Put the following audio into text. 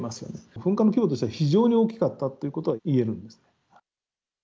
噴火の規模としては非常に大きかったということはいえるんです。